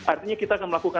artinya kita akan melakukan